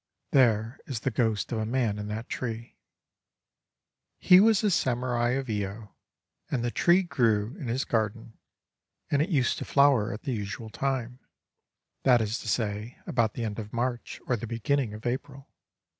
There is the ghost of a man in that tree. He was a samurai of lyo ; and the tree grew in his gar den; and it used to flower at the usual time, — that is to say, about the end of March or the beginning of April.